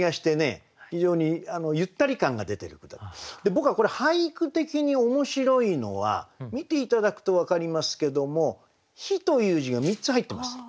僕はこれ俳句的に面白いのは見て頂くと分かりますけども「日」という字が３つ入ってます。